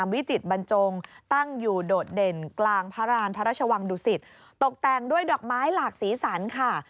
พระเจ้าอยู่โดดเด่นกลางภาราญภรรชวังดุสิตตกแต่งด้วยดอกไม้หลากสีสีสันค่ะ